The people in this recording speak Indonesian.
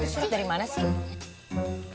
ini surat dari mana sih